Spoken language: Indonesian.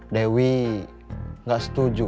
dewi nggak setuju